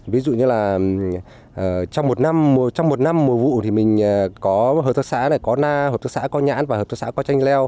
ví dụ như là trong một năm mùa vụ thì mình có hợp tác xã này có hợp tác xã có nhãn và hợp tác xã có tranh leo